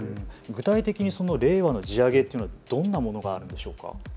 具体的にその令和の地上げはどんなものがあるんでしょうか。